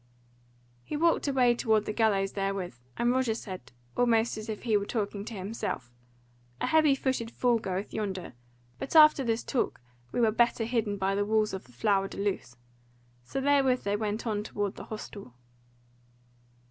He walked away towards the gallows therewith; and Roger said, almost as if he were talking to himself; "A heavy footed fool goeth yonder; but after this talk we were better hidden by the walls of the Flower de Luce." So therewith they went on toward the hostel.